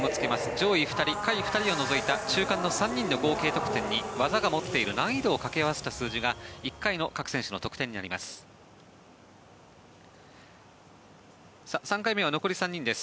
上位２人、下位２人を除いた中間３人の得点に技が持っている難易度を掛け合わせた数字が１回の各選手の得点になります。